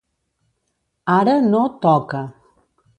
Ara no toca.